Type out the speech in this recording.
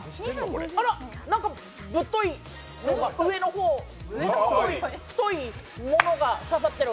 何かぶっとい上の方、太いものがかかってる。